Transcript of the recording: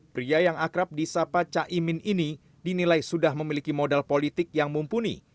pria yang akrab di sapa caimin ini dinilai sudah memiliki modal politik yang mumpuni